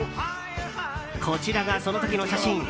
こちらが、その時の写真。